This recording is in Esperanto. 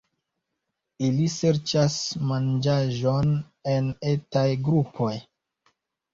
Ili serĉas manĝaĵon en etaj grupoj.